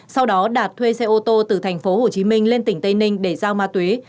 sau đó đạt thuê xe ô tô từ tp hcm lên tỉnh tây ninh để giao ma túy